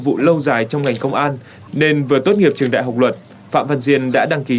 vụ lâu dài trong ngành công an nên vừa tốt nghiệp trường đại học luật phạm văn diên đã đăng ký